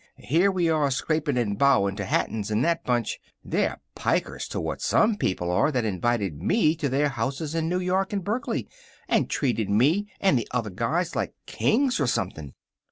Here we are scraping and bowing to Hattons and that bunch. They're pikers to what some people are that invited me to their houses in New York and Berkeley, and treated me and the other guys like kings or something.